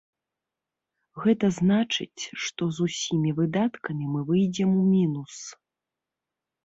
Гэта значыць, што з усімі выдаткамі мы выйдзем у мінус.